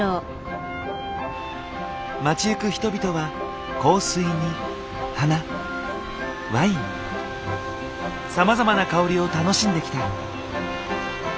街行く人々は香水に花ワインさまざまな香りを楽しんできた。